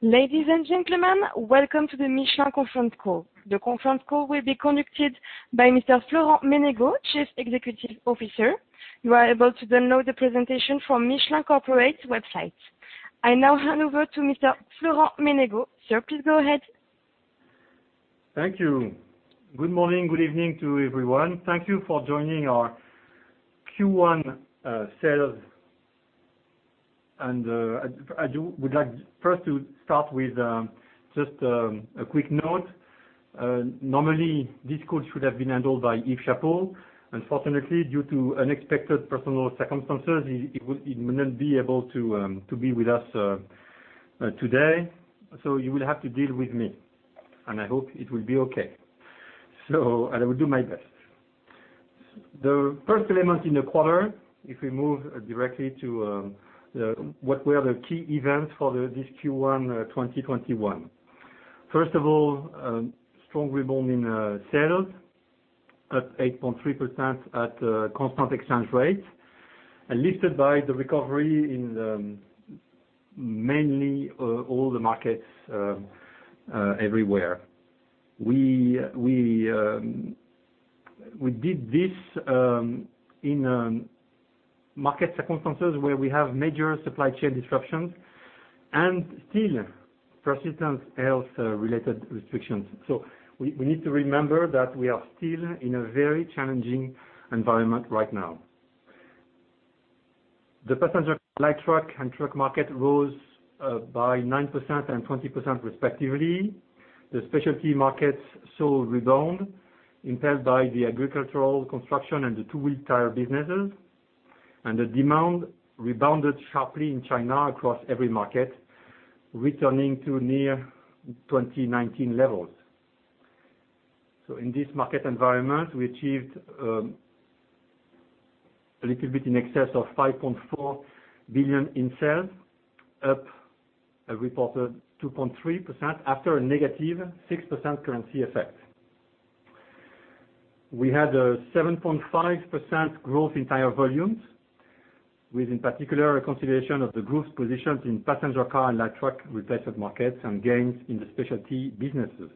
Ladies and gentlemen, welcome to the Michelin Conference Call. The conference call will be conducted by Mr. Florent Menegaux, Chief Executive Officer. You are able to download the presentation from Michelin Corporate's website. I now hand over to Mr. Florent Menegaux. Sir, please go ahead. Thank you. Good morning, good evening to everyone. Thank you for joining our Q1 sales and I would like first to start with just a quick note. Normally this call should have been handled by Yves Chapot. Unfortunately, due to unexpected personal circumstances, he would not be able to be with us today. So you will have to deal with me, and I hope it will be okay. So I will do my best. The first element in the quarter, if we move directly to what were the key events for this Q1, 2021. First of all, strong rebound in sales, up 8.3% at constant exchange rate, and lifted by the recovery in mainly all the markets, everywhere. We did this in market circumstances where we have major supply chain disruptions and still persistent health-related restrictions. So we need to remember that we are still in a very challenging environment right now. The passenger light truck and truck market rose by 9% and 20% respectively. The specialty markets saw rebound impelled by the agricultural, construction, and the two-wheeled tire businesses. And the demand rebounded sharply in China across every market, returning to near 2019 levels. So in this market environment, we achieved a little bit in excess of 5.4 billion in sales, up reported 2.3% after a negative 6% currency effect. We had a 7.5% growth in tire volumes, with in particular a consideration of the group's position in passenger car and light truck replacement markets and gains in the specialty businesses.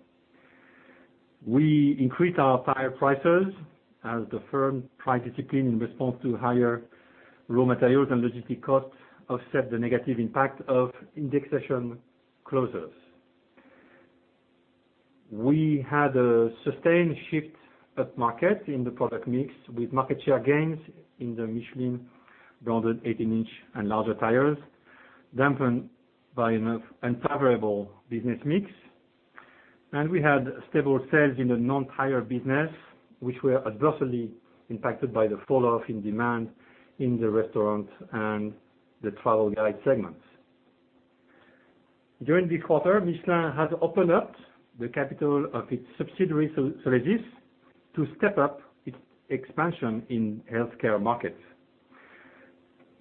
We increased our tire prices as the firm's price discipline in response to higher raw materials and logistics costs offset the negative impact of indexation clauses. We had a sustained shift of market in the product mix with market share gains in the Michelin brand, 18-inch and larger tires, dampened by an unfavorable business mix. We had stable sales in the non-tire business, which were adversely impacted by the falloff in demand in the restaurant and the travel guide segments. During this quarter, Michelin has opened up the capital of its subsidiary Solesis to step up its expansion in healthcare markets.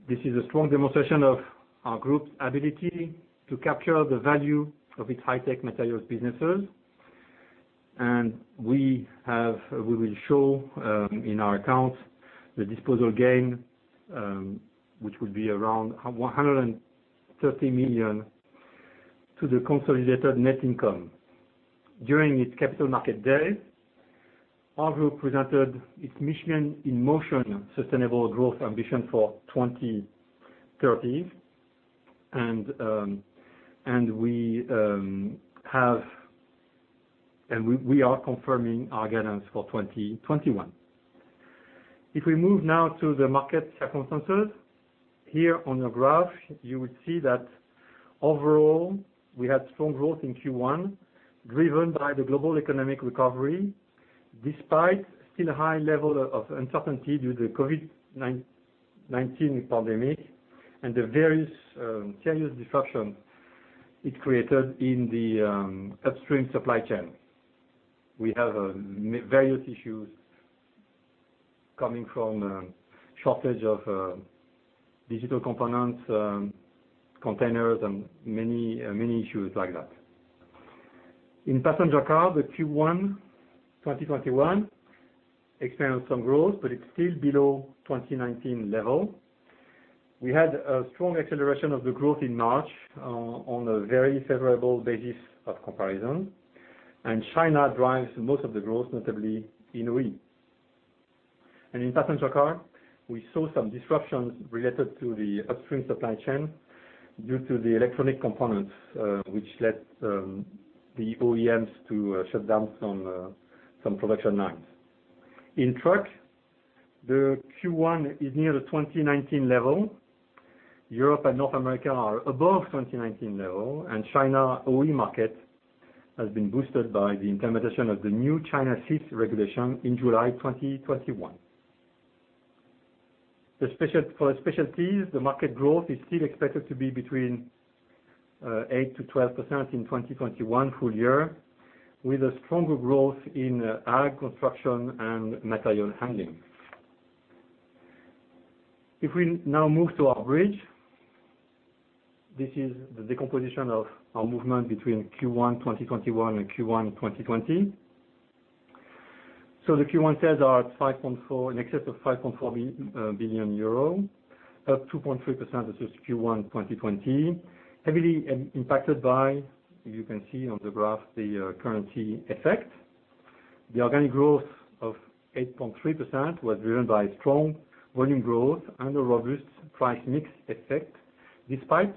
This is a strong demonstration of our group's ability to capture the value of its high-tech materials businesses. And we will show, in our accounts, the disposal gain, which would be around 130 million to the consolidated net income. During its Capital Markets Day, our group presented its Michelin In Motion sustainable growth ambition for 2030. And we are confirming our guidance for 2021. If we move now to the market circumstances, here on the graph, you will see that overall we had strong growth in Q1 driven by the global economic recovery despite still a high level of uncertainty due to the COVID-19 pandemic and the various serious disruptions it created in the upstream supply chain. We have various issues coming from shortage of digital components, containers, and many, many issues like that. In passenger car, the Q1 2021 experienced some growth, but it's still below 2019 level. We had a strong acceleration of the growth in March, on a very favorable basis of comparison. And China drives most of the growth, notably in OE. And in passenger car, we saw some disruptions related to the upstream supply chain due to the electronic components, which led the OEMs to shut down some production lines. In truck, the Q1 is near the 2019 level. Europe and North America are above 2019 level. China's OE market has been boosted by the implementation of the new China VI regulation in July 2021. In specialties, the market growth is still expected to be between 8%-12% in 2021 full year, with a stronger growth in ag, construction, and material handling. If we now move to our bridge, this is the decomposition of our movement between Q1 2021 and Q1 2020. The Q1 sales are at 5.4 billion euro, up 2.3% versus Q1 2020, heavily impacted by, as you can see on the graph, the currency effect. The organic growth of 8.3% was driven by strong volume growth and a robust price mix effect despite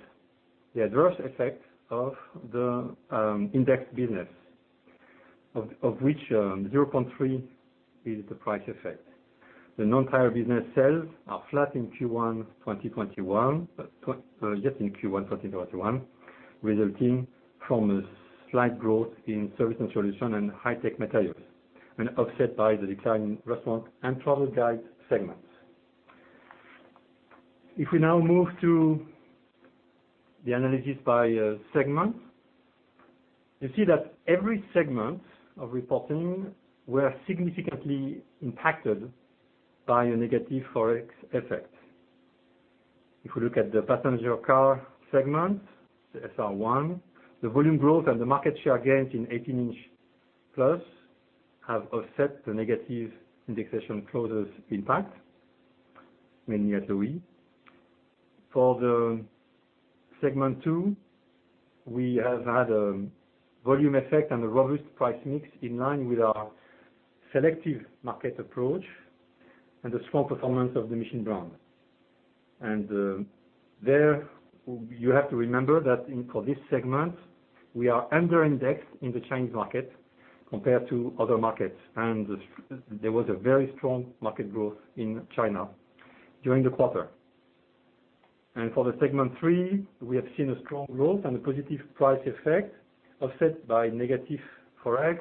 the adverse effect of the indexed business, of which 0.3 is the price effect. The non-tire business sales are flat in Q1 2021, resulting from a slight growth in service and solution and high-tech materials, and offset by the declining restaurant and travel guide segments. If we now move to the analysis by segment, you see that every segment of reporting were significantly impacted by a negative forex effect. If we look at the passenger car segment, the SR1, the volume growth and the market share gains in 18-inch plus have offset the negative indexation clauses impact, mainly at OE. For the segment two, we have had a volume effect and a robust price mix in line with our selective market approach and the strong performance of the Michelin Brand. There you have to remember that in for this segment, we are under-indexed in the Chinese market compared to other markets. There was a very strong market growth in China during the quarter. For the segment three, we have seen a strong growth and a positive price effect offset by negative forex,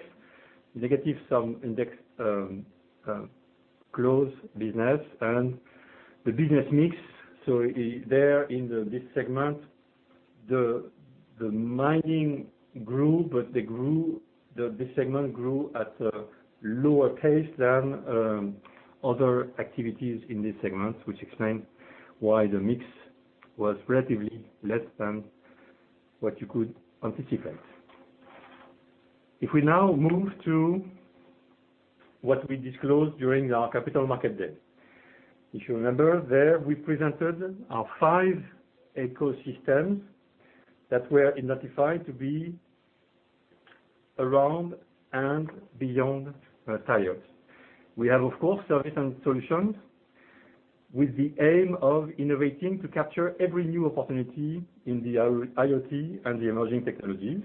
negative some indexation clauses business and the business mix. There in this segment, the mining grew, but this segment grew at a lower pace than other activities in this segment, which explains why the mix was relatively less than what you could anticipate. If we now move to what we disclosed during our Capital Markets Day, if you remember, there we presented our five ecosystems that were identified to be around and beyond tires. We have, of course, Services and Solutions with the aim of innovating to capture every new opportunity in the IoT and the emerging technologies.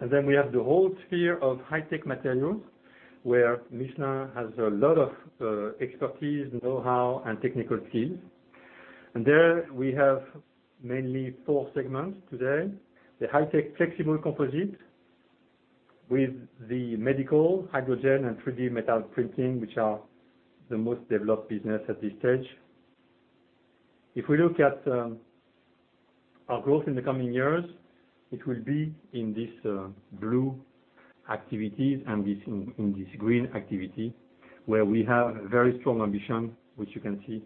And then we have the whole sphere of high-tech materials where Michelin has a lot of expertise, know-how, and technical skills. And there we have mainly four segments today: the high-tech flexible composites with the medical, hydrogen, and 3D metal printing, which are the most developed businesses at this stage. If we look at our growth in the coming years, it will be in these blue activities and in this green activity where we have very strong ambition, which you can see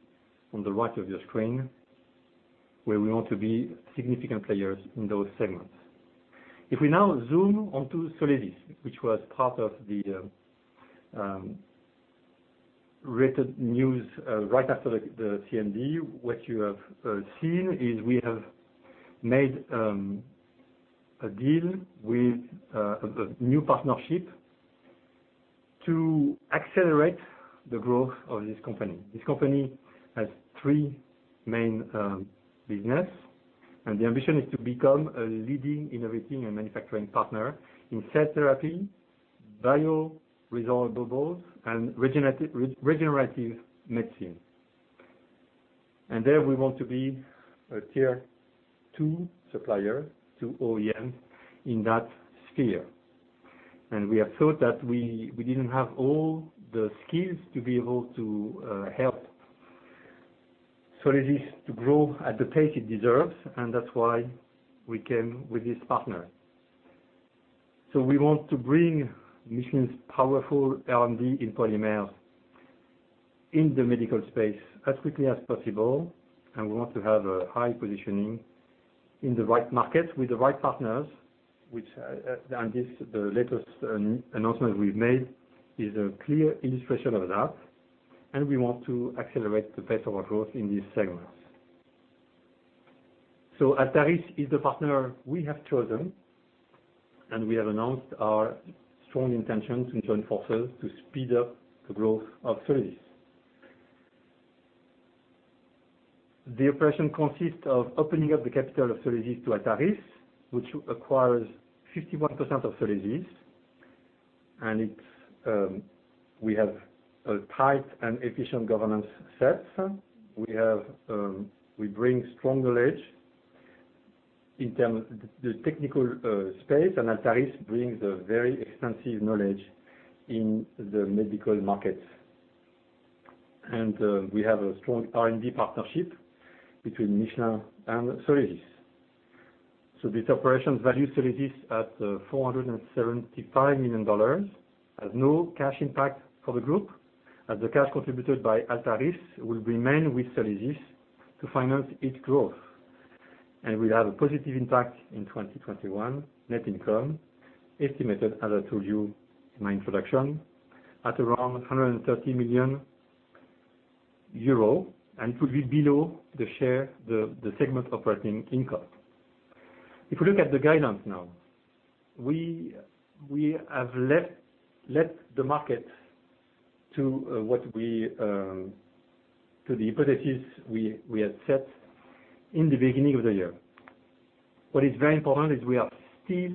on the right of your screen, where we want to be significant players in those segments. If we now zoom onto Solesis, which was part of the latest news, right after the CMD, what you have seen is we have made a deal with a new partnership to accelerate the growth of this company. This company has three main businesses. The ambition is to become a leading innovative and manufacturing partner in cell therapy, bioresorbables, and regenerative medicine. There we want to be a tier-two supplier to OEMs in that sphere. And we have thought that we didn't have all the skills to be able to help Solesis to grow at the pace it deserves, and that's why we came with this partner. So we want to bring Michelin's powerful R&D in polymers in the medical space as quickly as possible. And we want to have a high positioning in the right markets with the right partners, which, and this the latest announcement we've made is a clear illustration of that. And we want to accelerate the pace of our growth in these segments. So as Altaris is the partner we have chosen, and we have announced our strong intention to join forces to speed up the growth of Solesis. The operation consists of opening up the capital of Solesis to Altaris, which acquires 51% of Solesis. And it's. We have a tight and efficient governance set. We bring strong knowledge in terms of the technical space, and Altaris brings a very extensive knowledge in the medical markets. We have a strong R&D partnership between Michelin and Solesis. This operation values Solesis at $475 million, has no cash impact for the group, as the cash contributed by Altaris will remain with Solesis to finance its growth. We have a positive impact on 2021 net income estimated, as I told you in my introduction, at around 130 million euro, and it will be below the segment operating income. If we look at the guidance now, we have left the market to the hypothesis we had set in the beginning of the year. What is very important is we are still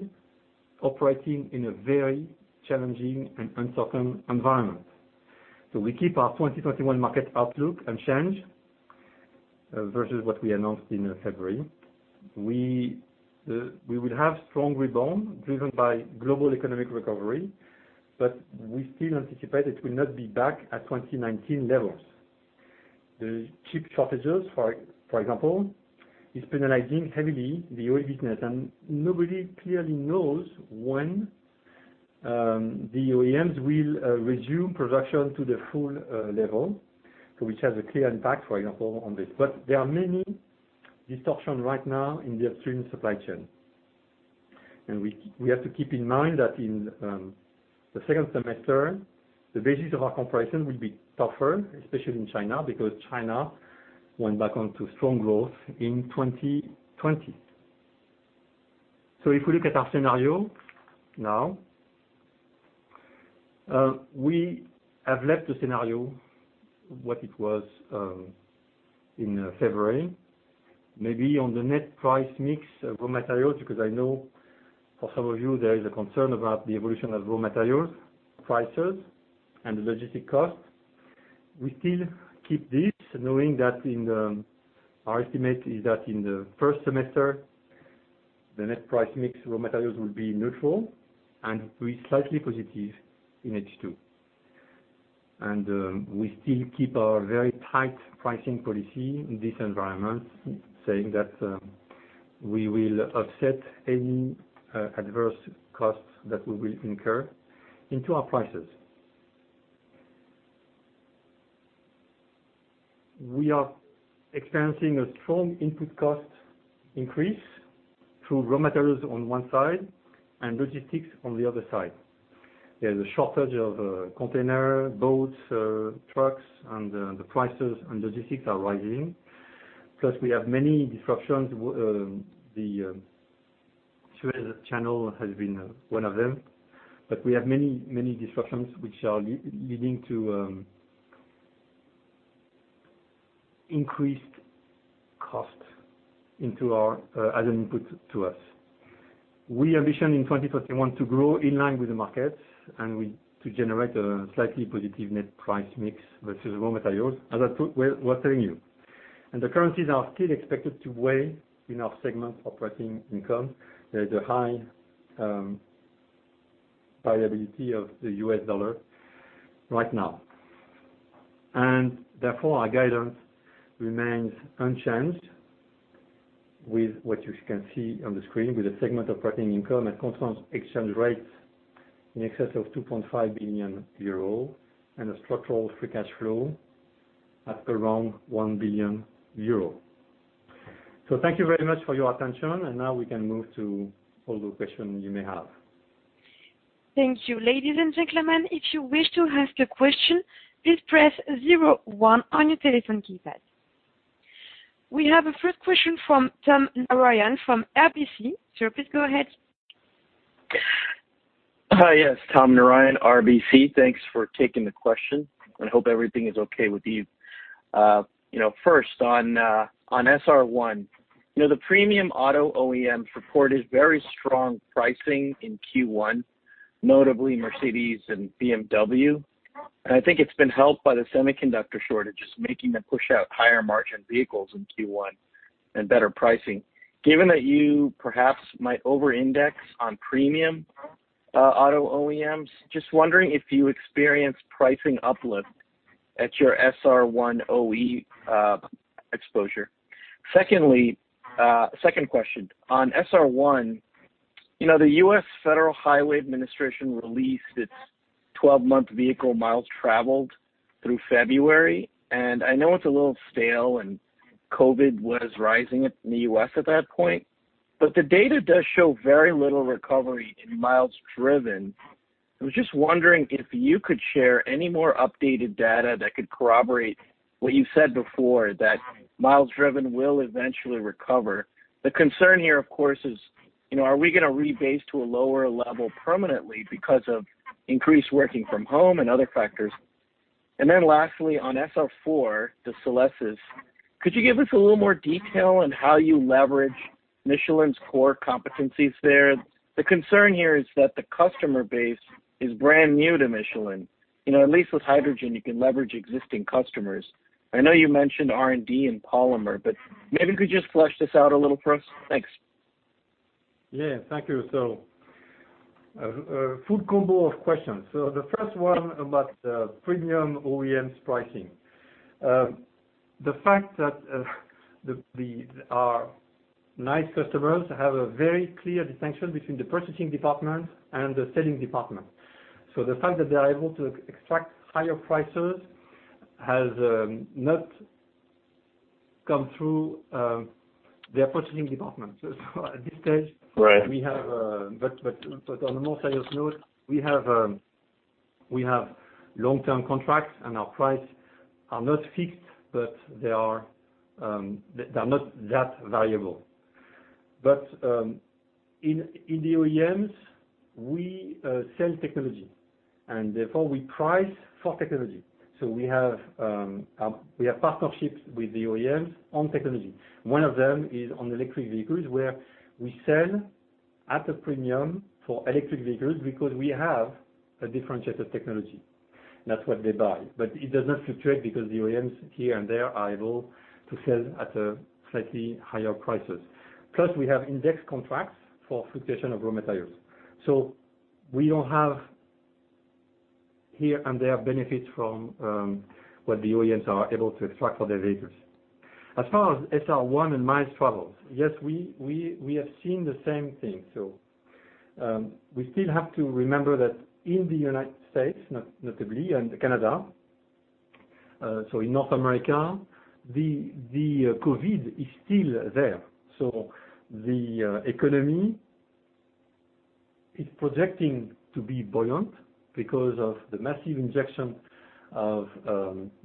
operating in a very challenging and uncertain environment. So we keep our 2021 market outlook unchanged, versus what we announced in February. We will have strong rebound driven by global economic recovery, but we still anticipate it will not be back at 2019 levels. The chip shortages, for example, is penalizing heavily the OE business. And nobody clearly knows when the OEMs will resume production to the full level, which has a clear impact, for example, on this. But there are many distortions right now in the upstream supply chain. And we have to keep in mind that in the second semester, the basis of our comparison will be tougher, especially in China, because China went back onto strong growth in 2020. So if we look at our scenario now, we have left the scenario what it was in February, maybe on the net price mix of raw materials, because I know for some of you there is a concern about the evolution of raw materials prices and the logistic cost. We still keep this, knowing that in our estimate is that in the first semester, the net price mix raw materials will be neutral and will be slightly positive in H2. And we still keep our very tight pricing policy in this environment, saying that we will offset any adverse costs that we will incur into our prices. We are experiencing a strong input cost increase through raw materials on one side and logistics on the other side. There's a shortage of containers, boats, trucks, and the prices and logistics are rising. Plus, we have many disruptions. The Suez Canal has been one of them. But we have many, many disruptions which are leading to increased costs into our as an input to us. Our ambition in 2021 to grow in line with the markets and to generate a slightly positive net price mix versus raw materials, as I was telling you. The currencies are still expected to weigh in our segment operating income. There is high variability of the U.S. dollar right now. Therefore, our guidance remains unchanged with what you can see on the screen, with the segment operating income at constant exchange rates in excess of 2.5 billion euro and a structural free cash flow at around 1 billion euro. Thank you very much for your attention. Now we can move to all the questions you may have. Thank you. Ladies and gentlemen, if you wish to ask a question, please press 01 on your telephone keypad. We have a first question from Tom Narayan from RBC. Sir, please go ahead. Hi, yes. Tom Narayan, RBC. Thanks for taking the question. And I hope everything is okay with you. You know, first on, on SR1, you know, the premium auto OEMs reported very strong pricing in Q1, notably Mercedes and BMW. And I think it's been helped by the semiconductor shortages, making them push out higher margin vehicles in Q1 and better pricing. Given that you perhaps might over-index on premium auto OEMs, just wondering if you experienced pricing uplift at your SR1 OE exposure. Secondly, second question. On SR1, you know, the US Federal Highway Administration released its 12-month vehicle miles traveled through February. And I know it's a little stale, and COVID was rising in the US at that point. But the data does show very little recovery in miles driven. I was just wondering if you could share any more updated data that could corroborate what you said before, that miles driven will eventually recover. The concern here, of course, is, you know, are we gonna rebase to a lower level permanently because of increased working from home and other factors? And then lastly, on SR4, the Solesis, could you give us a little more detail on how you leverage Michelin's core competencies there? The concern here is that the customer base is brand new to Michelin. You know, at least with hydrogen, you can leverage existing customers. I know you mentioned R&D and polymer, but maybe you could just flesh this out a little for us. Thanks. Yeah. Thank you. So, full combo of questions. So the first one about the premium OEMs pricing. The fact that our OEM customers have a very clear distinction between the purchasing department and the selling department. So the fact that they are able to extract higher prices has not come through their purchasing department. So at this stage. Right. On a more serious note, we have long-term contracts, and our prices are not fixed, but they are not that variable. But in the OEMs, we sell technology. And therefore, we price for technology. So we have partnerships with the OEMs on technology. One of them is on electric vehicles, where we sell at a premium for electric vehicles because we have a different set of technology. That's what they buy. But it does not fluctuate because the OEMs here and there are able to sell at slightly higher prices. Plus, we have index contracts for fluctuation of raw materials. So we don't have here and there benefits from what the OEMs are able to extract for their vehicles. As far as SR1 and miles traveled, yes, we have seen the same thing. So, we still have to remember that in the United States, notably, and Canada, so in North America, the COVID is still there. The economy is projecting to be buoyant because of the massive injection of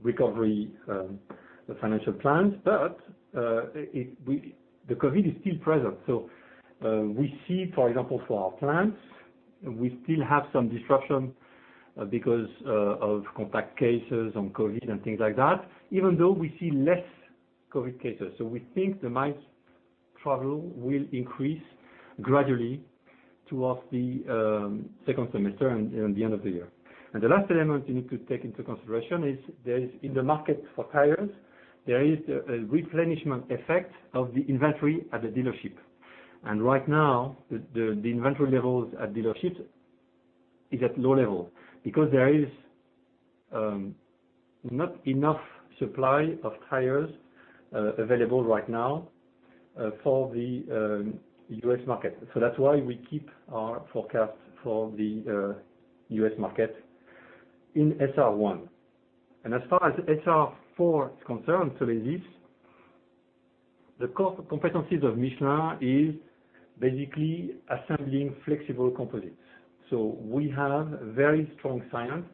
recovery financial plans. But the COVID is still present. We see, for example, for our plants, we still have some disruption because of contact cases of COVID and things like that, even though we see less COVID cases. We think the miles traveled will increase gradually towards the second semester and the end of the year. The last element you need to take into consideration is, in the market for tires, there is the replenishment effect of the inventory at the dealership. Right now, the inventory levels at dealerships is at low level because there is not enough supply of tires available right now for the U.S. market. So that's why we keep our forecast for the U.S. market in SR1. As far as SR4 is concerned, Solesis, the core competencies of Michelin is basically assembling flexible composites. So we have very strong science.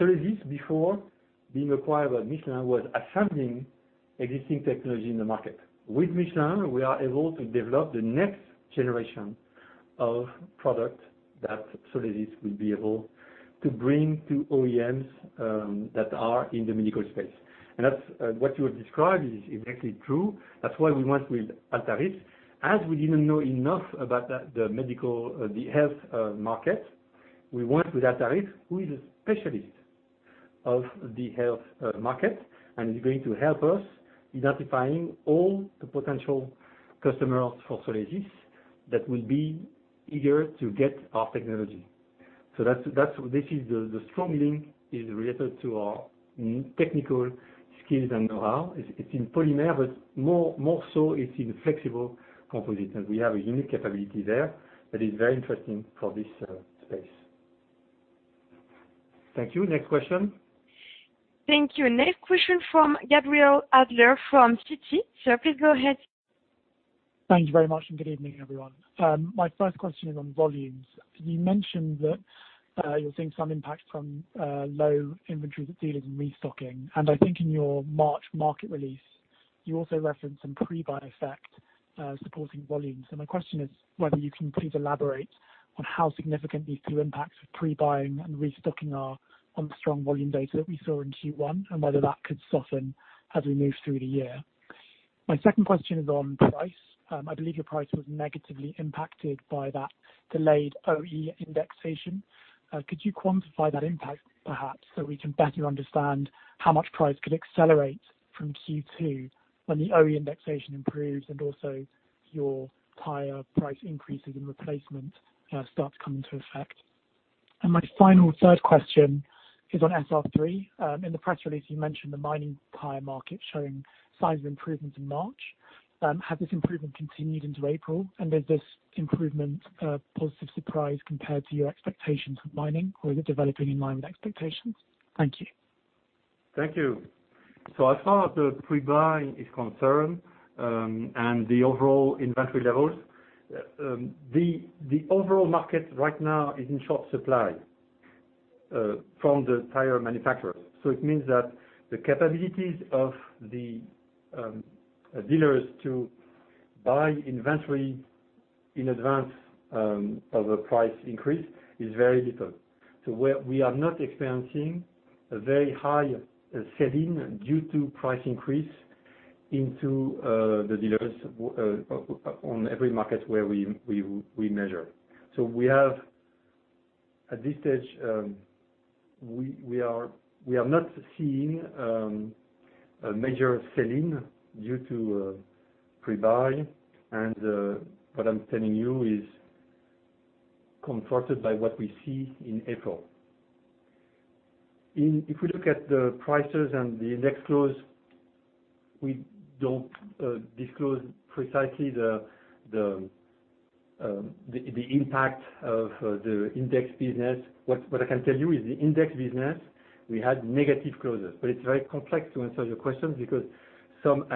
Solesis, before being acquired by Michelin, was assembling existing technology in the market. With Michelin, we are able to develop the next generation of product that Solesis will be able to bring to OEMs that are in the medical space. That's what you have described is exactly true. That's why we went with Altaris. As we didn't know enough about the medical, the health market, we went with Altaris, who is a specialist of the health market, and is going to help us identifying all the potential customers for Solesis that will be eager to get our technology. So that's this is the strong link is related to our technical skills and know-how. It's in polymer, but more so it's in flexible composites. And we have a unique capability there that is very interesting for this space. Thank you. Next question. Thank you. Next question from Gabriel Adler from Citi. Sir, please go ahead. Thank you very much, and good evening, everyone. My first question is on volumes. You mentioned that you're seeing some impact from low inventory that dealers are restocking. And I think in your March market release, you also referenced some pre-buy effect, supporting volumes. And my question is whether you can please elaborate on how significant these two impacts of pre-buying and restocking are on the strong volume data that we saw in Q1 and whether that could soften as we move through the year. My second question is on price. I believe your price was negatively impacted by that delayed OE indexation. Could you quantify that impact, perhaps, so we can better understand how much price could accelerate from Q2 when the OE indexation improves and also your tire price increases and replacement start to come into effect? And my final third question is on SR3. In the press release, you mentioned the mining tire market showing signs of improvement in March. Has this improvement continued into April? And is this improvement a positive surprise compared to your expectations for mining, or is it developing in line with expectations? Thank you. Thank you. So as far as the pre-buy is concerned, and the overall inventory levels, the overall market right now is in short supply from the tire manufacturers. So it means that the capabilities of the dealers to buy inventory in advance of a price increase is very little. So we are not experiencing a very high selling due to price increase into the dealers on every market where we measure. So we have at this stage we are not seeing a major selling due to pre-buy. And what I'm telling you is confirmed by what we see in April. And if we look at the prices and the indexation clauses, we don't disclose precisely the impact of the indexation business. What I can tell you is the indexation business, we had negative clauses. But it's very complex to answer your questions because some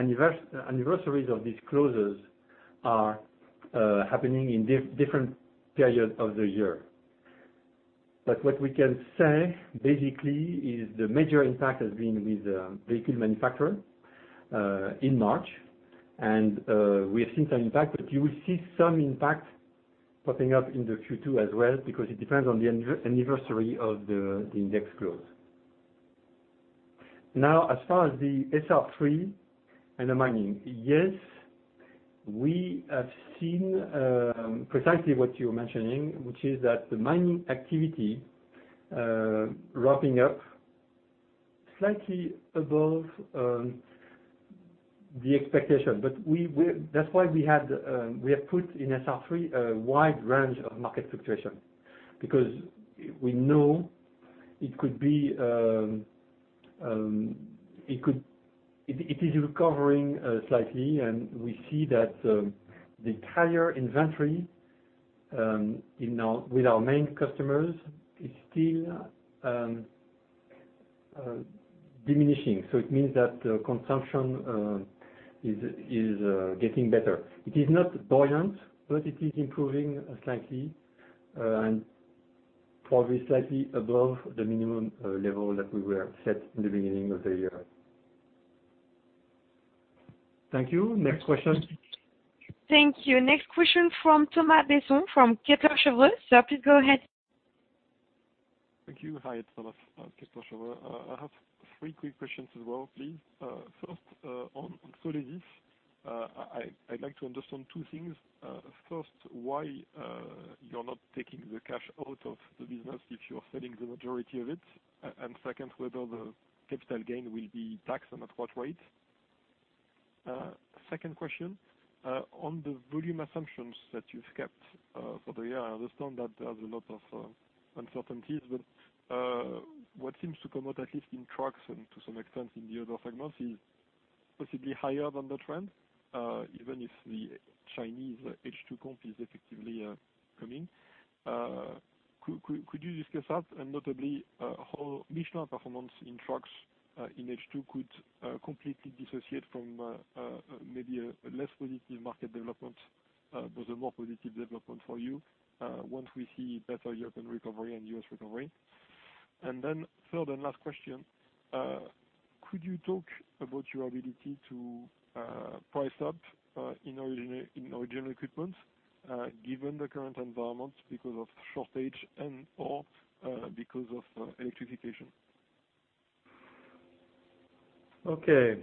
anniversaries of these clauses are happening in different periods of the year. But what we can say basically is the major impact has been with the vehicle manufacturer in March. And we have seen some impact, but you will see some impact popping up in the Q2 as well because it depends on the anniversary of the indexation clause. Now, as far as the SR3 and the mining, yes, we have seen precisely what you're mentioning, which is that the mining activity ramping up slightly above the expectation. But that's why we have put in SR3 a wide range of market fluctuation because we know it could be, it is recovering slightly. And we see that the tire inventory with our main customers is still diminishing. So it means that the consumption is getting better. It is not buoyant, but it is improving slightly, and probably slightly above the minimum level that we were set in the beginning of the year. Thank you. Next question. Thank you. Next question from Thomas Besson from Kepler Cheuvreux. Sir, please go ahead. Thank you. Hi, it's Thomas, Kepler Cheuvreux. I have three quick questions as well, please. First, on Solesis, I'd like to understand two things. First, why you're not taking the cash out of the business if you're selling the majority of it? And second, whether the capital gain will be taxed and at what rate? Second question, on the volume assumptions that you've kept for the year, I understand that there's a lot of uncertainties. But what seems to come out, at least in trucks and to some extent in the other segments, is possibly higher than the trend, even if the Chinese H2 comp is effectively coming. Could you discuss that? And notably, how Michelin performance in trucks in H2 could completely dissociate from maybe a less positive market development, but a more positive development for you, once we see better European recovery and US recovery? And then, third and last question. Could you talk about your ability to price up in OE in original equipment, given the current environment because of shortage and/or electrification? Okay.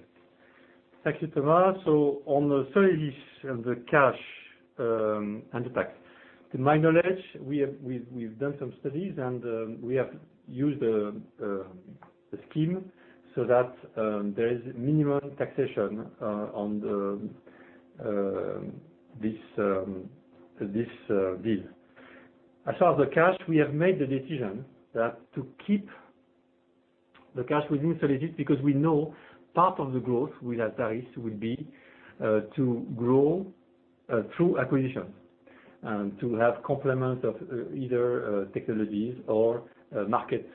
Thank you, Thomas. So on the Solesis and the cash, and the tax, to my knowledge, we have done some studies, and we have used the scheme so that there is minimum taxation on this deal. As far as the cash, we have made the decision that to keep the cash within Solesis because we know part of the growth with Altaris will be to grow through acquisition and to have complement of either technologies or market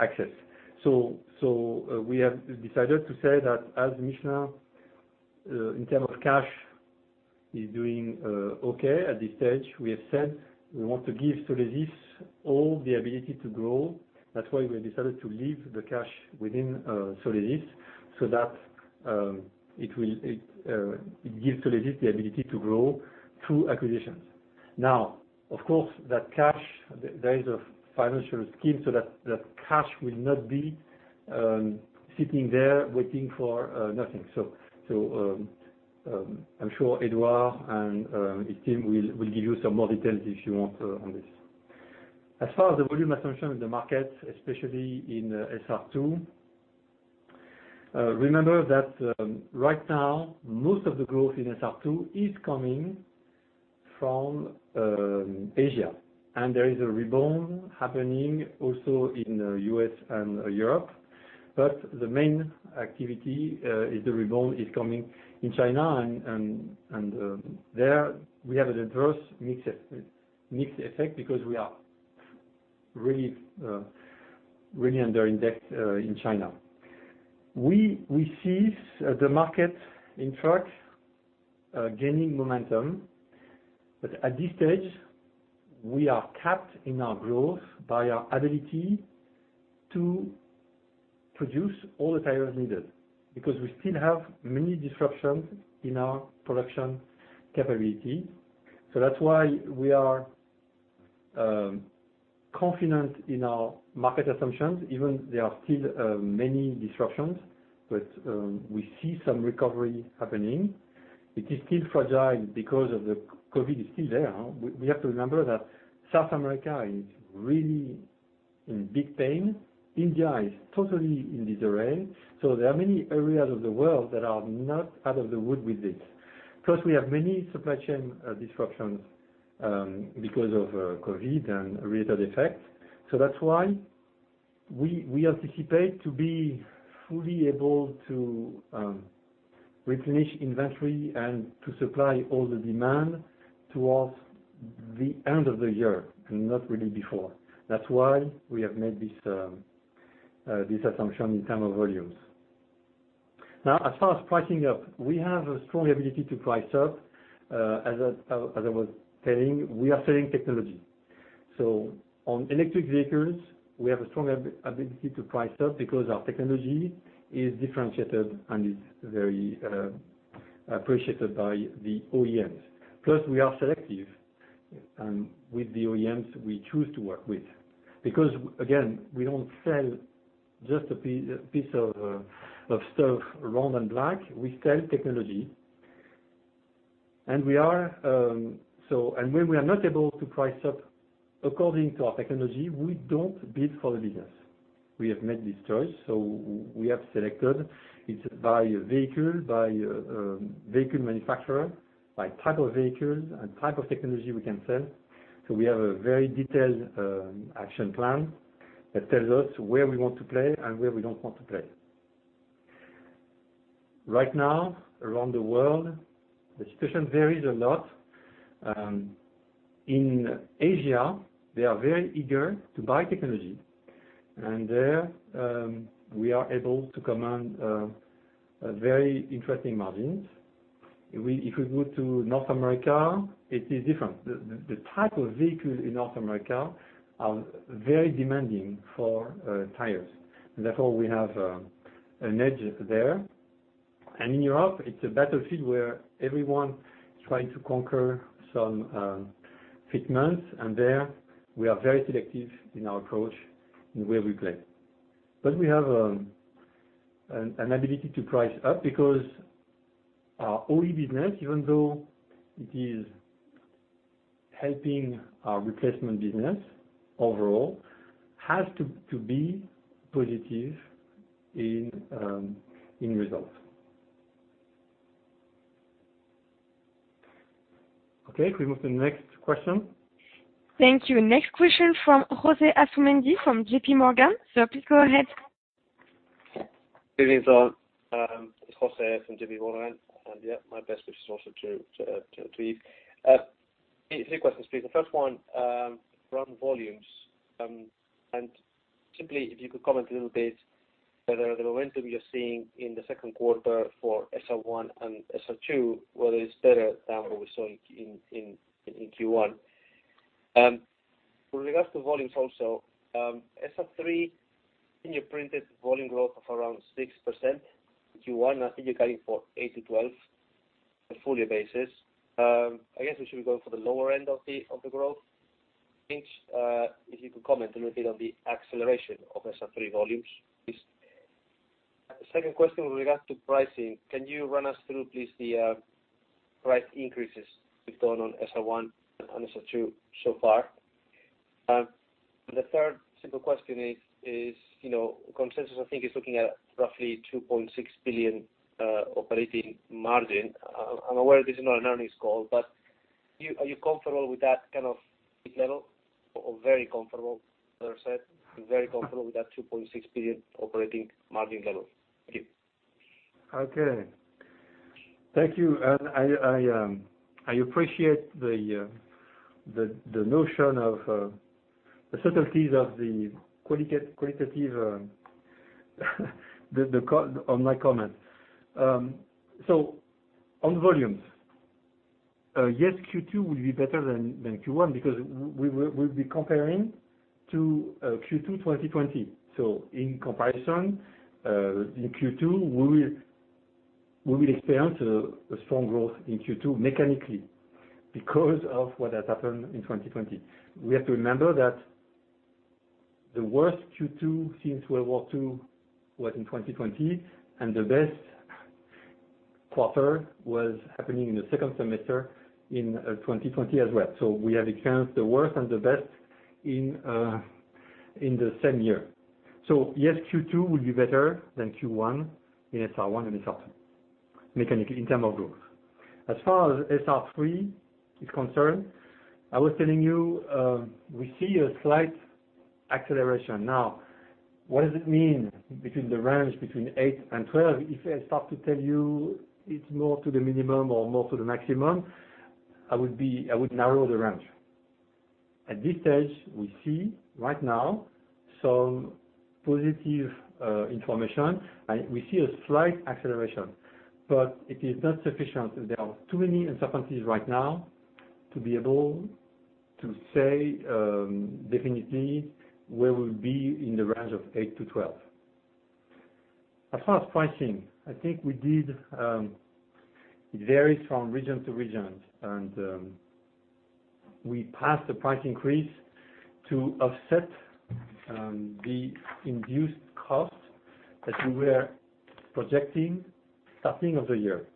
access. So we have decided to say that as Michelin, in terms of cash, is doing okay at this stage. We have said we want to give Solesis all the ability to grow. That's why we have decided to leave the cash within Solesis so that it gives Solesis the ability to grow through acquisitions. Now, of course, that cash, there is a financial scheme so that that cash will not be sitting there waiting for nothing. So, I'm sure Édouard and his team will give you some more details if you want, on this. As far as the volume assumption in the market, especially in SR2, remember that right now, most of the growth in SR2 is coming from Asia. And there is a rebound happening also in U.S. and Europe. But the main activity is the rebound is coming in China. And there we have an adverse mix effect because we are really really underindexed in China. We see the market in trucks gaining momentum. But at this stage, we are capped in our growth by our ability to produce all the tires needed because we still have many disruptions in our production capability. So that's why we are confident in our market assumptions, even though there are still many disruptions. But we see some recovery happening. It is still fragile because of the COVID is still there. We have to remember that South America is really in big pain. India is totally in disarray. So there are many areas of the world that are not out of the woods with this. Plus, we have many supply chain disruptions because of COVID and related effects. So that's why we anticipate to be fully able to replenish inventory and to supply all the demand towards the end of the year and not really before. That's why we have made this assumption in terms of volumes. Now, as far as pricing up, we have a strong ability to price up. As I was telling, we are selling technology. So on electric vehicles, we have a strong ability to price up because our technology is differentiated and is very appreciated by the OEMs. Plus, we are selective with the OEMs we choose to work with because, again, we don't sell just a piece of stuff, round and black. We sell technology. And so when we are not able to price up according to our technology, we don't bid for the business. We have made this choice. So we have selected it by vehicle, by vehicle manufacturer, by type of vehicle, and type of technology we can sell. So we have a very detailed action plan that tells us where we want to play and where we don't want to play. Right now, around the world, the situation varies a lot. In Asia, they are very eager to buy technology. And there, we are able to command very interesting margins. Well, if we go to North America, it is different. The type of vehicle in North America are very demanding for tires. And therefore, we have an edge there. And in Europe, it is a battlefield where everyone is trying to conquer some fitments. And there, we are very selective in our approach and where we play. But we have an ability to price up because our OE business, even though it is helping our replacement business overall, has to be positive in results. Okay. Can we move to the next question? Thank you. Next question from José Asumendi from J.P. Morgan. Sir, please go ahead. Good evening, Thomas. It's José from J.P. Morgan. And yeah, my best wishes also to you. A few questions, please. The first one, around volumes. And simply, if you could comment a little bit whether the momentum you're seeing in the second quarter for SR1 and SR2, whether it's better than what we saw in Q1 with regards to volumes also. SR3, you printed volume growth of around 6% in Q1. I think you're going for 8-12% on a full-year basis. I guess we should be going for the lower end of the growth range. If you could comment a little bit on the acceleration of SR3 volumes. Please. Second question with regards to pricing. Can you run us through, please, the price increases we've done on SR1 and SR2 so far? And the third simple question is, you know, consensus, I think, is looking at roughly 2.6 billion operating margin. I'm aware this is not an earnings call, but are you comfortable with that kind of level or very comfortable, as I said, very comfortable with that 2.6 billion operating margin level? Thank you. Okay. Thank you. And I appreciate the notion of the subtleties of the qualitative comment on my comment. So on volumes, yes, Q2 will be better than Q1 because we will be comparing to Q2 2020. So in comparison, in Q2, we will experience a strong growth in Q2 mechanically because of what has happened in 2020. We have to remember that the worst Q2 since World War II was in 2020, and the best quarter was happening in the second semester in 2020 as well. So we have experienced the worst and the best in the same year. So yes, Q2 will be better than Q1 in SR1 and SR2 mechanically in terms of growth. As far as SR3 is concerned, I was telling you, we see a slight acceleration. Now, what does it mean between the range between eight and 12? If I start to tell you it's more to the minimum or more to the maximum, I would narrow the range. At this stage, we see right now some positive information. We see a slight acceleration, but it is not sufficient. There are too many uncertainties right now to be able to say definitely where we'll be in the range of eight to 12. As far as pricing, I think we did. It varies from region to region. We passed the price increase to offset the induced cost that we were projecting starting of the year.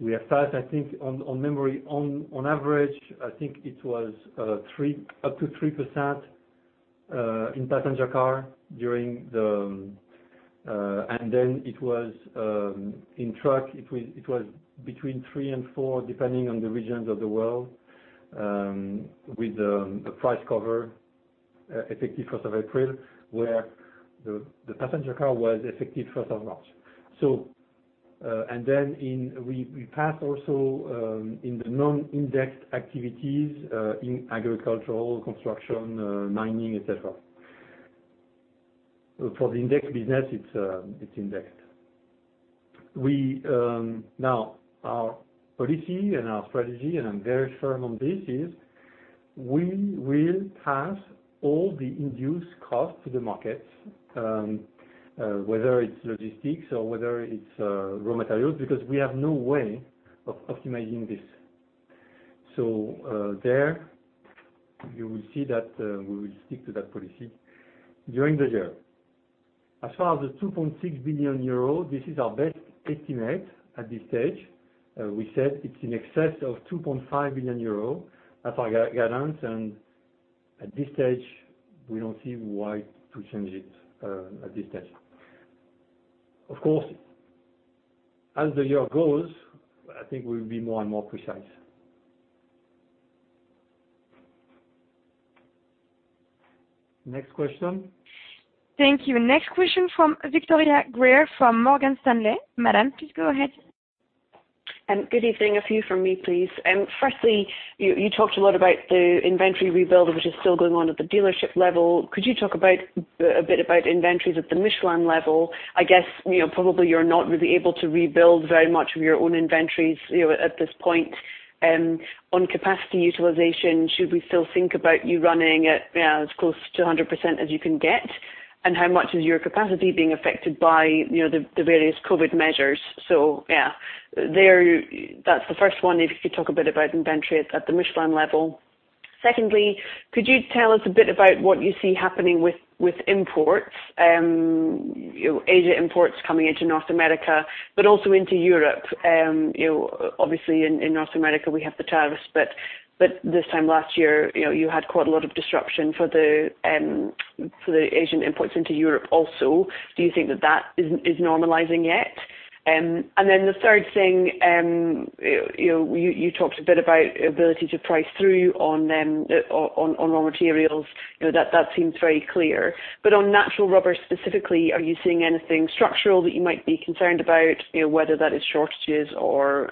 We have passed, I think, on memory, on average, I think it was 3% up to 3% in passenger car during the, and then it was in truck, it was between 3% and 4% depending on the regions of the world, with a price cover effective 1st of April, where the passenger car was effective 1st of March. So and then we passed also in the non-indexed activities, in agricultural, construction, mining, etc. So for the indexed business, it's indexed. Now our policy and our strategy, and I'm very firm on this, is we will pass all the induced cost to the markets, whether it's logistics or whether it's raw materials because we have no way of optimizing this. You will see that we will stick to that policy during the year. As far as the 2.6 billion euro, this is our best estimate at this stage. We said it's in excess of 2.5 billion euro as our guidance. And at this stage, we don't see why to change it, at this stage. Of course, as the year goes, I think we'll be more and more precise. Next question. Thank you. Next question from Victoria Greer from Morgan Stanley. Madam, please go ahead. Good evening. A few from me, please. First, you talked a lot about the inventory rebuild, which is still going on at the dealership level. Could you talk a bit about inventories at the Michelin level? I guess, you know, probably you're not really able to rebuild very much of your own inventories, you know, at this point. On capacity utilization, should we still think about you running at, yeah, as close to 100% as you can get? And how much is your capacity being affected by, you know, the various COVID measures? So, yeah, there, that's the first one. If you could talk a bit about inventory at the Michelin level. Second, could you tell us a bit about what you see happening with imports, you know, Asia imports coming into North America, but also into Europe? You know, obviously, in North America, we have the tariffs. But this time last year, you know, you had quite a lot of disruption for the Asian imports into Europe also. Do you think that is normalizing yet? And then the third thing, you know, you talked a bit about ability to price through on raw materials. You know, that seems very clear. But on natural rubber specifically, are you seeing anything structural that you might be concerned about, you know, whether that is shortages or,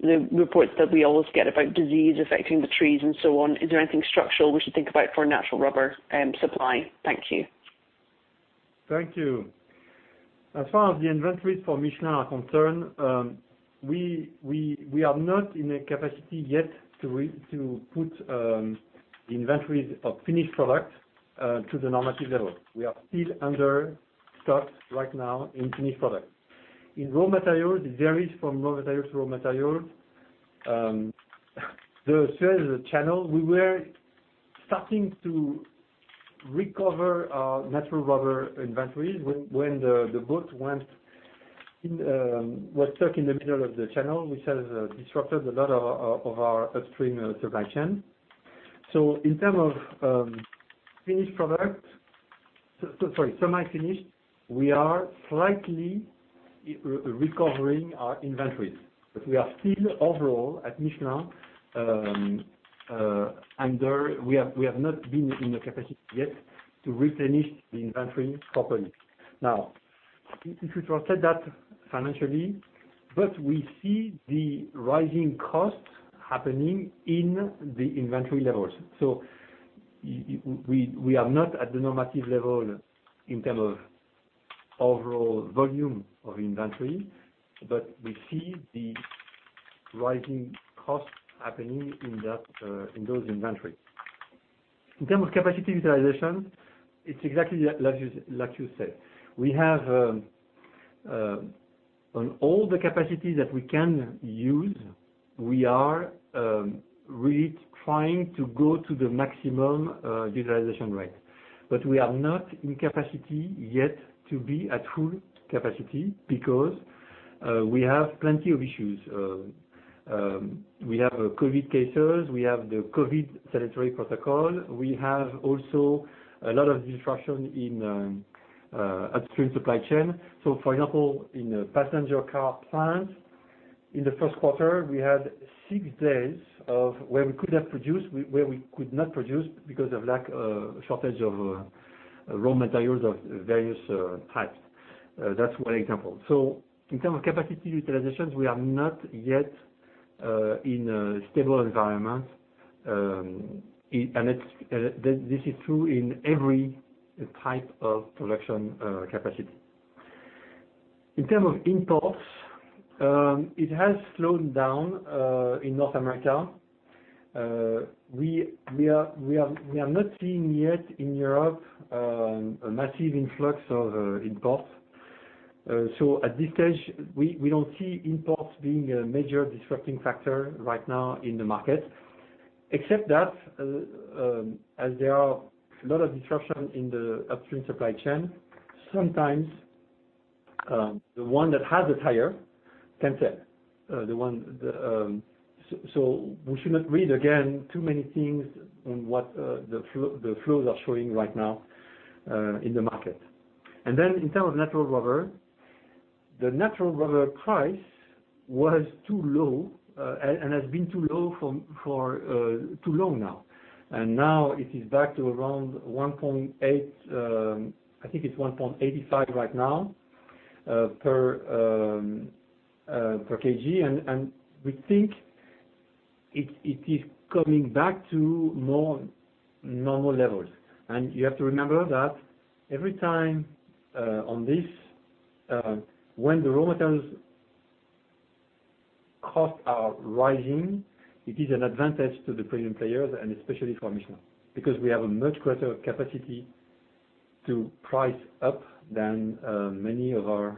yeah, the reports that we always get about disease affecting the trees and so on? Is there anything structural we should think about for natural rubber supply? Thank you. Thank you. As far as the inventories for Michelin are concerned, we are not in a capacity yet to put the inventories of finished product to the normative level. We are still under stock right now in finished product. In raw materials, it varies from raw material to raw material. In the sales channel, we were starting to recover our natural rubber inventories when the boat went in, was stuck in the middle of the Suez Canal, which has disrupted a lot of our upstream supply chain. So in terms of finished product, sorry, semi-finished, we are slightly recovering our inventories. But we are still overall at Michelin under. We have not been in a capacity yet to replenish the inventory properly. Now, if we translate that financially, but we see the rising costs happening in the inventory levels. So we are not at the normative level in terms of overall volume of inventory, but we see the rising costs happening in that, in those inventories. In terms of capacity utilization, it's exactly like you said. We have, on all the capacity that we can use, we are really trying to go to the maximum utilization rate. But we are not in capacity yet to be at full capacity because we have plenty of issues. We have COVID cases. We have the COVID sanitary protocol. We have also a lot of disruption in upstream supply chain. So, for example, in the passenger car plants, in the first quarter, we had six days where we could have produced, where we could not produce because of shortage of raw materials of various types. That's one example. So in terms of capacity utilizations, we are not yet in a stable environment, and it's true in every type of production capacity. In terms of imports, it has slowed down in North America. We are not seeing yet in Europe a massive influx of imports. So at this stage, we don't see imports being a major disrupting factor right now in the market, except that as there are a lot of disruption in the upstream supply chain, sometimes the one that has a tire can sell. So we should not read too much into what the flows are showing right now in the market. And then in terms of natural rubber, the natural rubber price was too low and has been too low for too long now. Now it is back to around $1.8. I think it's $1.85 right now, per kg, and we think it is coming back to more normal levels. You have to remember that every time, on this, when the raw materials costs are rising, it is an advantage to the premium players, and especially for Michelin because we have a much greater capacity to price up than many of our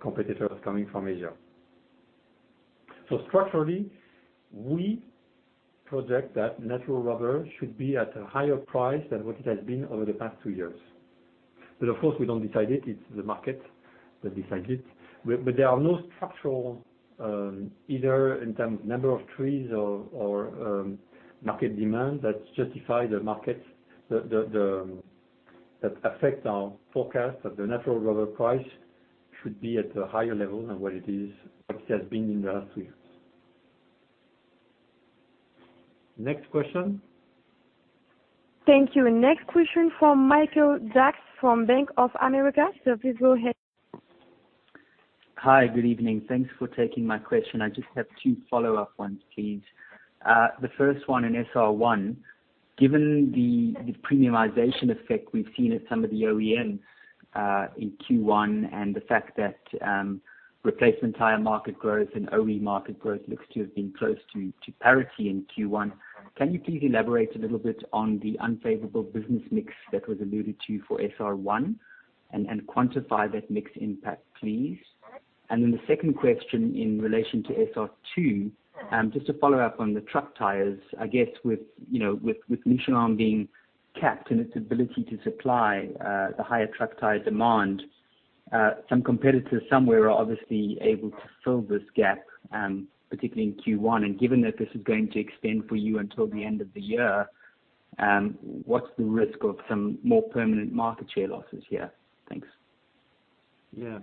competitors coming from Asia. Structurally, we project that natural rubber should be at a higher price than what it has been over the past two years. Of course, we don't decide it. It's the market that decides it. But there are no structural, either in terms of number of trees or market demand that justify the market that affect our forecast that the natural rubber price should be at a higher level than what it has been in the last two years. Next question. Thank you. Next question from Michael Jacks from Bank of America. So please go ahead. Hi, good evening. Thanks for taking my question. I just have two follow-up ones, please. The first one in SR1, given the premiumization effect we've seen at some of the OEMs, in Q1 and the fact that replacement tire market growth and OE market growth looks to have been close to parity in Q1, can you please elaborate a little bit on the unfavorable business mix that was alluded to for SR1 and quantify that mixed impact, please? And then the second question in relation to SR2, just to follow up on the truck tires, I guess with, you know, with Michelin being capped in its ability to supply the higher truck tire demand, some competitors somewhere are obviously able to fill this gap, particularly in Q1. And given that this is going to extend for you until the end of the year, what's the risk of some more permanent market share losses here? Thanks. Yeah.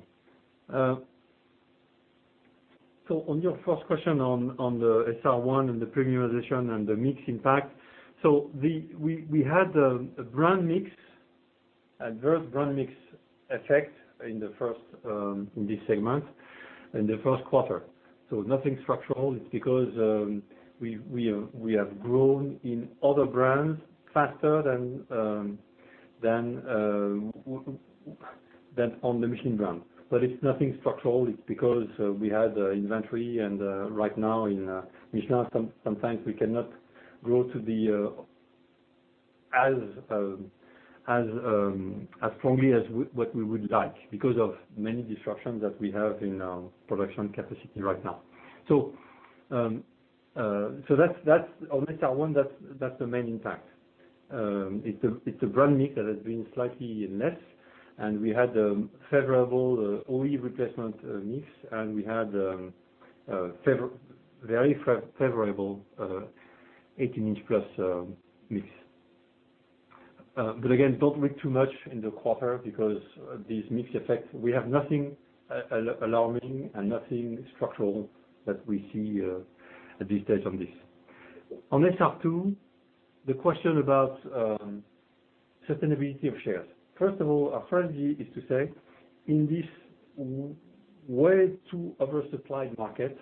So on your first question on the SR1 and the premiumization and the mixed impact, so we had an adverse brand mix effect in this segment in the first quarter. So nothing structural. It's because we have grown in other brands faster than on the Michelin brand. But it's nothing structural. It's because we had inventory. And right now in Michelin, sometimes we cannot grow as strongly as what we would like because of many disruptions that we have in our production capacity right now. So that's on SR1, that's the main impact. It's a brand mix that has been slightly less. And we had favorable OE replacement mix. And we had very favorable 18-inch plus mix. But again, don't weight too much in the quarter because this mix effect, we have nothing alarming and nothing structural that we see at this stage on this. On SR2, the question about sustainability of sales. First of all, our strategy is to stay in this way in oversupplied market,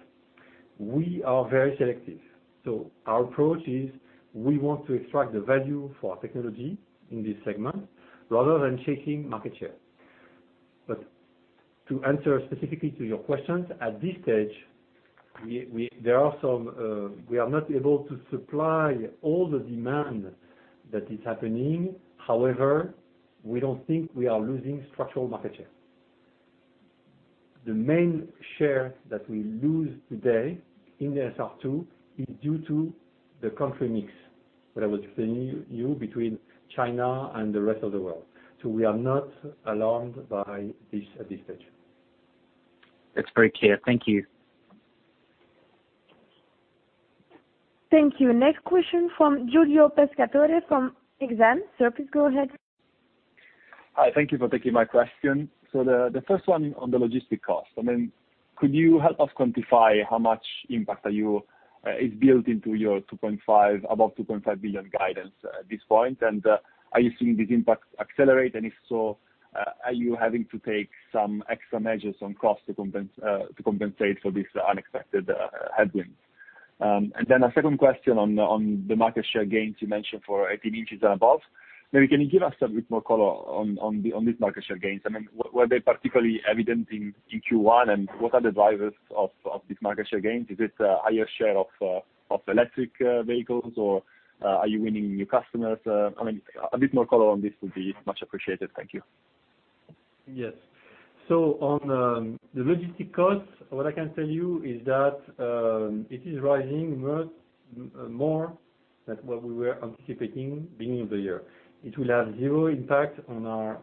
we are very selective. So our approach is we want to extract the value for our technology in this segment rather than chasing market share. But to answer specifically to your questions, at this stage, there are some, we are not able to supply all the demand that is happening. However, we don't think we are losing structural market share. The main share that we lose today in the SR2 is due to the country mix, what I was explaining to you, between China and the rest of the world. We are not alarmed by this at this stage. That's very clear. Thank you. Thank you. Next question from Giulio Pescatore from Exane. So please go ahead. Hi. Thank you for taking my question. So the first one on the logistics cost. I mean, could you help us quantify how much impact is built into your above 2.5 billion guidance at this point? And are you seeing this impact accelerate? And if so, are you having to take some extra measures on cost to compensate for this unexpected headwinds? And then a second question on the market share gains you mentioned for 18 inches and above. Maybe can you give us a bit more color on these market share gains? I mean, were they particularly evident in Q1? And what are the drivers of these market share gains? Is it a higher share of electric vehicles, or are you winning new customers? I mean, a bit more color on this would be much appreciated Thank you. Yes, so on the logistics cost, what I can tell you is that it is rising much more than what we were anticipating beginning of the year. It will have zero impact on our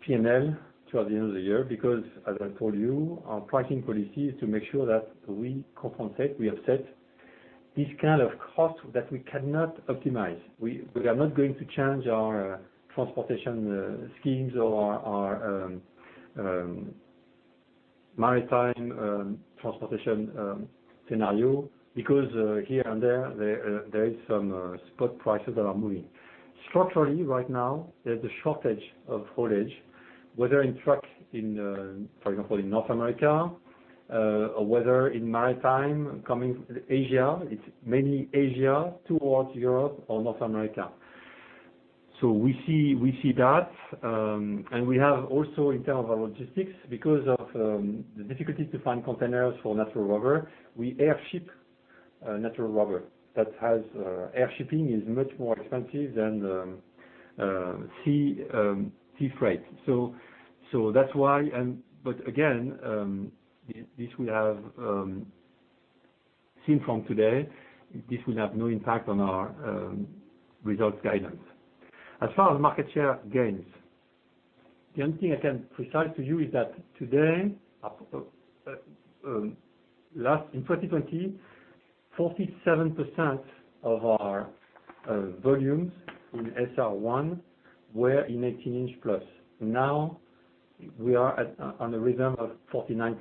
P&L towards the end of the year because, as I told you, our pricing policy is to make sure that we compensate, we offset this kind of cost that we cannot optimize. We are not going to change our transportation schemes or our maritime transportation scenario because here and there there is some spot prices that are moving. Structurally, right now, there's a shortage of containers, whether in trucking, for example, in North America, or whether in maritime coming from Asia. It's mainly Asia towards Europe or North America. So we see that. We have also in terms of our logistics, because of the difficulty to find containers for natural rubber, we airship natural rubber. Airshipping is much more expensive than sea freight. So that's why. But again, this we have seen from today; this will have no impact on our results guidance. As far as market share gains, the only thing I can precise to you is that in 2020, 47% of our volumes in SR1 were in 18-inch plus. Now we are at on a rhythm of 49%.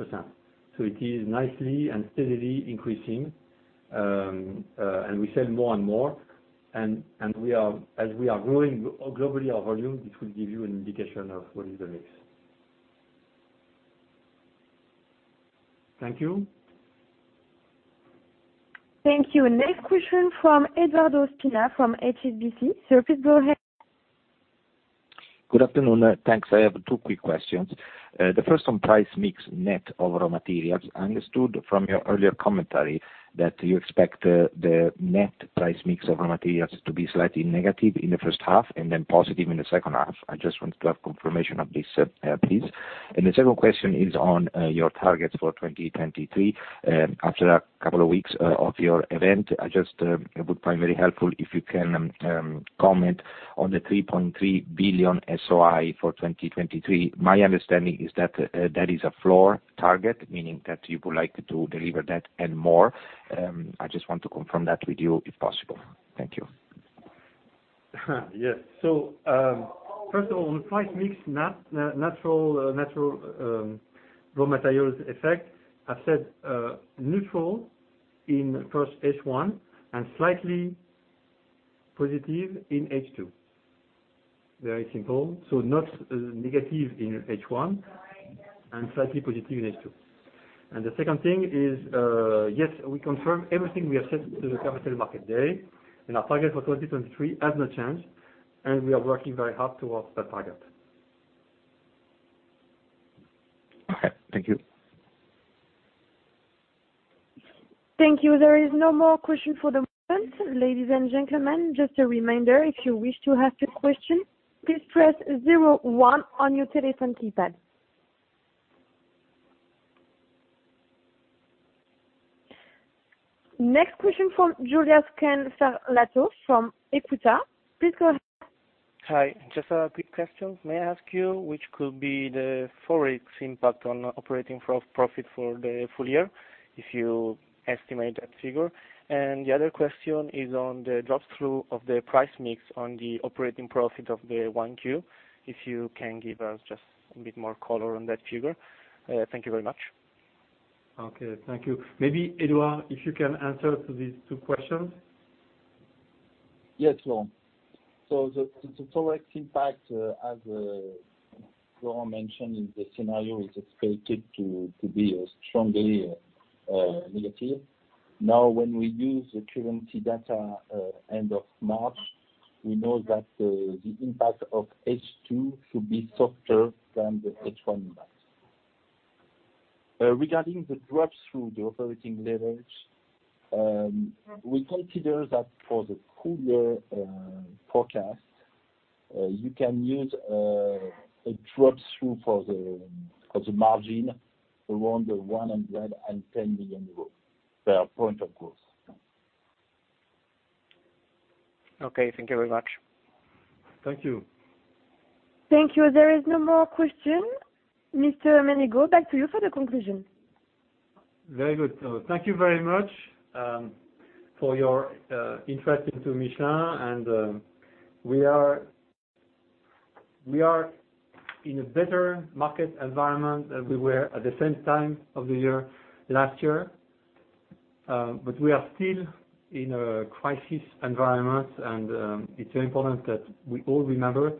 So it is nicely and steadily increasing, and we sell more and more. And we are, as we are growing globally our volume, this will give you an indication of what is the mix. Thank you. Thank you. Next question from Edoardo Spina from HSBC. So please go ahead. Good afternoon. Thanks. I have two quick questions. The first on price mix net overall materials. I understood from your earlier commentary that you expect the net price mix overall materials to be slightly negative in the first half and then positive in the second half. I just wanted to have confirmation of this, please. And the second question is on your targets for 2023. After a couple of weeks of your event, I just, it would probably be helpful if you can comment on the 3.3 billion SOI for 2023. My understanding is that that is a floor target, meaning that you would like to deliver that and more. I just want to confirm that with you if possible. Thank you. Yes. So, first of all, on price mix, natural raw materials effect, I've said neutral in first H1 and slightly positive in H2. Very simple. So, not negative in H1 and slightly positive in H2. And the second thing is, yes, we confirm everything we have said to the Capital Markets Day. And our target for 2023 has not changed. And we are working very hard towards that target. Okay. Thank you. Thank you. There is no more question for the moment. Ladies and gentlemen, just a reminder, if you wish to ask a question, please press 01 on your telephone keypad. Next question from Martino De Ambroggi from Equita. Please go ahead. Hi. Just a quick question. May I ask you which could be the forex impact on operating profit for the full year if you estimate that figure? And the other question is on the drop-through of the price mix on the operating profit of the 1Q, if you can give us just a bit more color on that figure. Thank you very much. Okay. Thank you. Maybe Édouard, if you can answer to these two questions. Yes, Florent. So the forex impact, as Florent mentioned, the scenario is expected to be strongly negative. Now, when we use the currency data end of March, we know that the impact of H2 should be softer than the H1 impact. Regarding the drop-through, the operating leverage, we consider that for the full year forecast, you can use a drop-through for the margin around 110 million euros per point of growth. Okay. Thank you very much. Thank you. Thank you. There is no more question. Mr. Menegaux, back to you for the conclusion. Very good. Thank you very much for your interest in Michelin. And we are in a better market environment than we were at the same time of the year last year. But we are still in a crisis environment. And it is very important that we all remember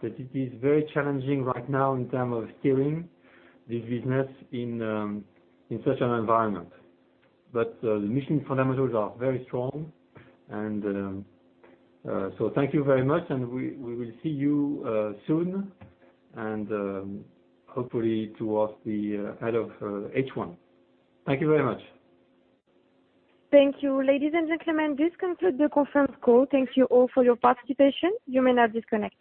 that it is very challenging right now in terms of steering this business in such an environment. But the Michelin fundamentals are very strong. And so thank you very much. And we will see you soon. And hopefully towards the end of H1. Thank you very much. Thank you. Ladies and gentlemen, this concludes the conference call. Thank you all for your participation. You may now disconnect.